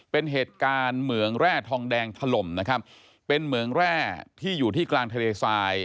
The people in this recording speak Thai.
เป็นเหตุการณ์เหมืองแร่ทองแดงถล่มนะครับเป็นเหมืองแร่ที่อยู่ที่กลางทะเลทราย